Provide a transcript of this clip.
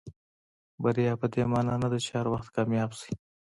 بریا پدې معنا نه ده چې هر وخت کامیاب شئ.